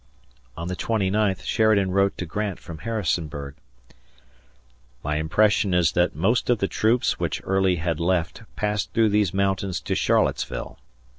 On the twenty ninth Sheridan wrote to Grant from Harrisonburg: My impression is that most of the troops which Early had left passed through these mountains to Charlottesville.